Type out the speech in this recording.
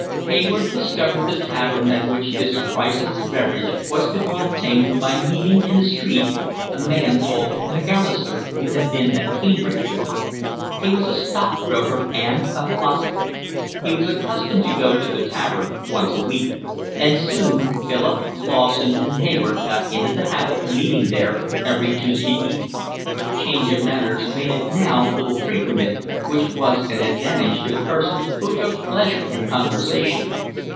Hayward discovered the tavern at which this priceless beverage was to be obtained by meeting in the street a man called Macalister who had been at Cambridge with him. He was a stockbroker and a philosopher. He was accustomed to go to the tavern once a week; and soon Philip, Lawson, and Hayward got into the habit of meeting there every Tuesday evening: change of manners made it now little frequented, which was an advantage to persons who took pleasure in conversation.